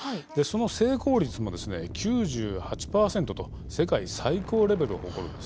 その成功率も９８％と世界最高レベルを誇るんです。